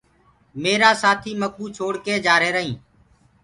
ميرآ سآٿيٚ مڪو ڇوڙڪي جآريهرائينٚ